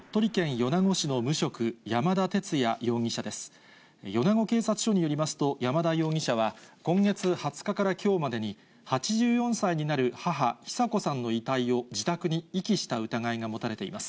米子警察署によりますと、山田容疑者は、今月２０日からきょうまでに、８４歳になる母、尚子さんの遺体を自宅に遺棄した疑いが持たれています。